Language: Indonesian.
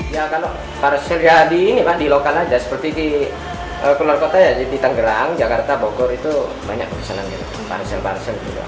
ya kalau parsel jadi di lokal saja seperti di keluar kota di tangerang jakarta bogor itu banyak persenan parsel parsel